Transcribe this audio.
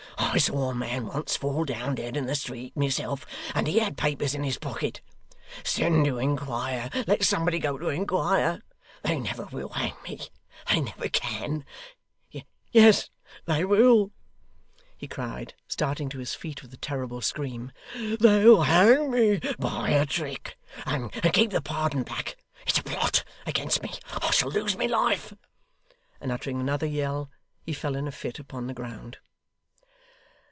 I saw a man once, fall down dead in the street, myself, and he had papers in his pocket. Send to inquire. Let somebody go to inquire. They never will hang me. They never can. Yes, they will,' he cried, starting to his feet with a terrible scream. 'They'll hang me by a trick, and keep the pardon back. It's a plot against me. I shall lose my life!' And uttering another yell, he fell in a fit upon the ground.